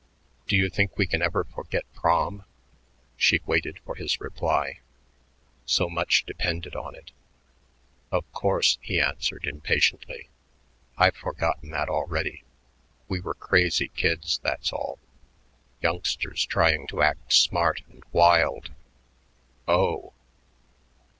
"Do you think we can ever forget Prom?" She waited for his reply. So much depended on it. "Of course," he answered impatiently. "I've forgotten that already. We were crazy kids, that's all youngsters trying to act smart and wild." "Oh!"